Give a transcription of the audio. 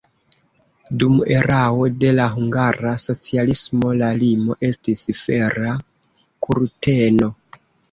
Dum erao de la hungara socialismo la limo estis Fera kurteno.